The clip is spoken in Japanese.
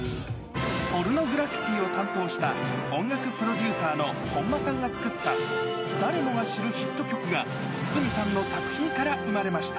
ポルノグラフィティを担当した音楽プロデューサーの本間さんが作った、誰もが知るヒット曲が筒美さんの作品から生まれました。